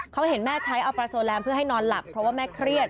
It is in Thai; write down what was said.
เขาเห็นแม่ใช้เอาปลาโซแรมเพื่อให้นอนหลับเพราะว่าแม่เครียด